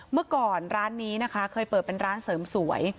เมื่อก่อนร้านนี้นะคะเคยเปิดเป็นร้านเสริมสวย